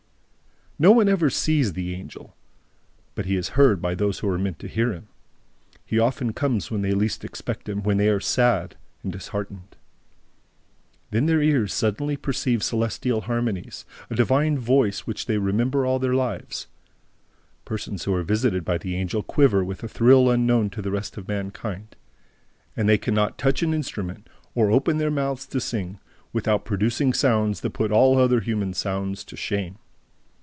No one ever sees the Angel; but he is heard by those who are meant to hear him. He often comes when they least expect him, when they are sad and disheartened. Then their ears suddenly perceive celestial harmonies, a divine voice, which they remember all their lives. Persons who are visited by the Angel quiver with a thrill unknown to the rest of mankind. And they can not touch an instrument, or open their mouths to sing, without producing sounds that put all other human sounds to shame.